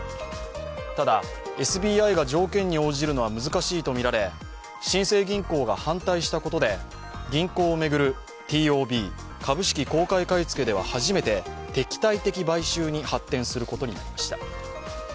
ただＳＢＩが条件に応じるのは難しいとみられ新生銀行が反対したことで銀行を巡るＴＯＢ＝株式公開買い付けでは初めて敵対的買収に発展することになりました。